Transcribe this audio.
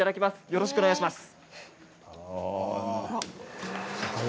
よろしくお願いします。